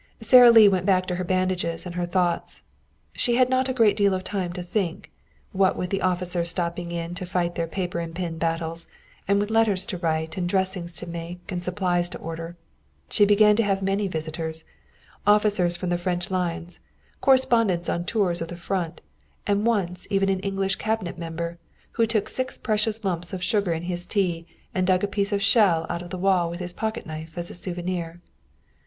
Sara Lee went back to her bandages and her thoughts. She had not a great deal of time to think, what with the officers stopping in to fight their paper and pin battles, and with letters to write and dressings to make and supplies to order. She began to have many visitors officers from the French lines, correspondents on tours of the Front, and once even an English cabinet member, who took six precious lumps of sugar in his tea and dug a piece of shell out of the wall with his pocketknife as a souvenir.